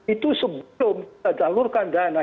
itu sebelum menyalurkan dana